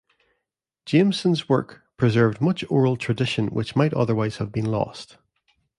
Jamieson's work preserved much oral tradition which might otherwise have been lost.